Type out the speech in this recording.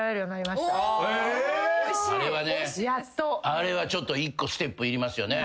あれはちょっと一個ステップいりますよね。